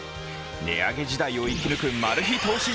値上げ時代を生き抜くマル秘投資